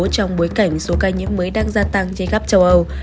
trong bối cảnh số ca nhiễm mới đang gia tăng trên khắp châu âu